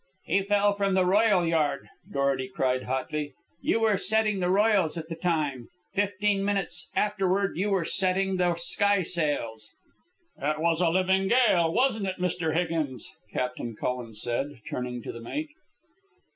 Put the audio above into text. "He fell from the royal yard," Dorety cried hotly. "You were setting the royals at the time. Fifteen minutes afterward you were setting the skysails." "It was a living gale, wasn't it, Mr. Higgins?" Captain Cullen said, turning to the mate.